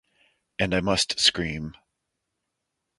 And I must scream.